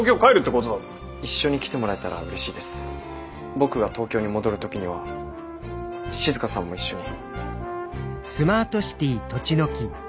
僕が東京に戻る時には静さんも一緒に。